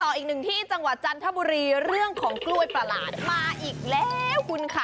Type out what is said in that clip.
อีกหนึ่งที่จังหวัดจันทบุรีเรื่องของกล้วยประหลาดมาอีกแล้วคุณค่ะ